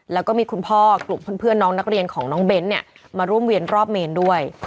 แล้วก็มีคุณพ่อกลุ่มเพื่อนน้องนักเรียนของน้องเบ้นเนี่ยมาร่วมเวียนรอบเมนด้วย